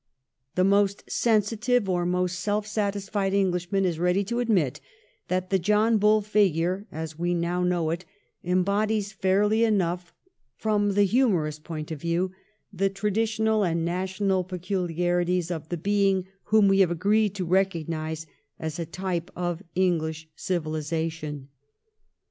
The most sensitive or most self satisfied Englishman is ready to admit that the John Bull figure, as we now know it, embodies fairly enough, from the humorous point of view, the traditional and national peculiarities of the being whom we have agreed to recognise as a type of English civilisation.